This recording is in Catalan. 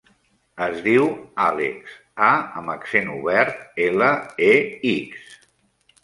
Es diu Àlex: a amb accent obert, ela, e, ics.